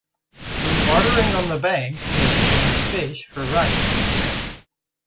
Through bartering on the banks, they exchange fish for rice.